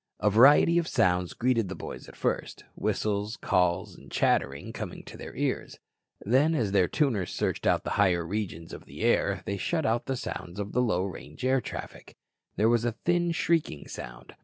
A variety of sounds greeted the boys at first, whistles, calls, and chattering coming to their ears. Then as their tuner searched out the higher regions of the air, they shut out the sounds of the low range air traffic. There was a thin, shrieking sound.